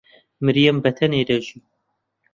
مریەم بەتەنێ دەژی.